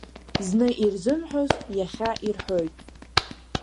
Зны ирзымҳәоз иахьа ирҳәоит.